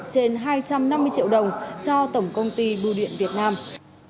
thường đã tham ô số tiền hai trăm năm mươi triệu đồng cho tổng công ty biêu điện việt nam